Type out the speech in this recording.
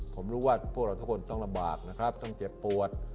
ผมรู้ว่าพวกเราทุกคนต้องระบากต้องเจ็บปวด